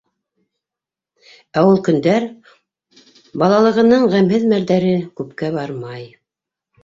Ә ул көндәр, балалығының ғәмһеҙ мәлдәре, күпкә бармай.